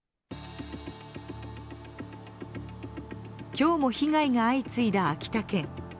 今日も被害が相次いだ秋田県。